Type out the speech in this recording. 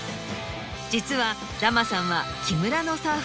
実はダマさんは。